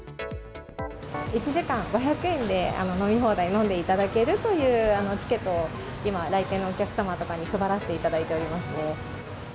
１時間５００円で飲み放題、飲んでいただけるというチケットを今、来店のお客様とかに配らせていただいてますね。